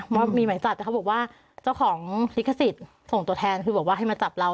ว่ามีหมายจับแต่เขาบอกว่าเจ้าของลิขสิทธิ์ส่งตัวแทนคือบอกว่าให้มาจับเรา